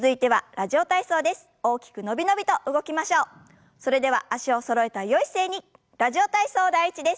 「ラジオ体操第１」です。